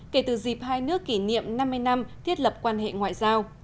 kể từ dịp hai nước kỷ niệm năm mươi năm thiết lập quan hệ ngoại giao